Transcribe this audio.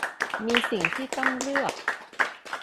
มีสิ่งที่ต้องเลือก